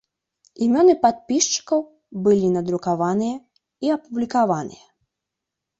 Імёны падпісчыкаў былі надрукаваныя і апублікаваныя.